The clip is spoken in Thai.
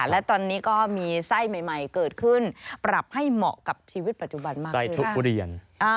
และตอนนี้ก็มีไส้ใหม่เกิดขึ้นปรับให้เหมาะกับชีวิตปัจจุบันมากขึ้น